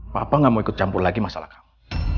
papa gak mau ikut campur lagi masalah kamu